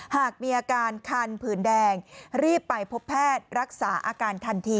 หากมีอาการคันผื่นแดงรีบไปพบแพทย์รักษาอาการทันที